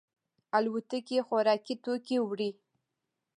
الوتکې خوراکي توکي وړي.